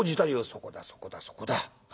「そこだそこだそこだ。